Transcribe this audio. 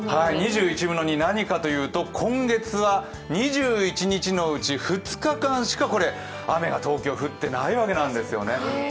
２１分の２、何かというと、今月は２１日のうち２日間しか雨が東京は降っていないわけなんですよね。